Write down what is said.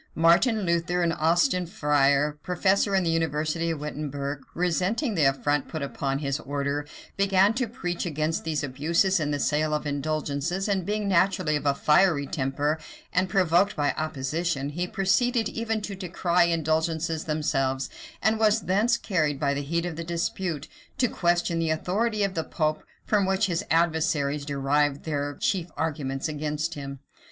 Martin Luther, an Austin friar, professor in the university of Wittemberg, resenting the affront put upon his order, began to preach against these abuses in the sale of indulgences; and being naturally of a fiery temper, and provoked by opposition, he proceeded even to decry indulgences themselves; and was thence carried, by the heat of dispute, to question the authority of the pope, from which his adversaries derived their chief arguments against him.